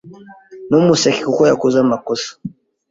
Ntumuseke kuko yakoze amakosa.